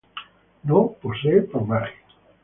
No posee plumaje.